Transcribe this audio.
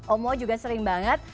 omo juga sering banget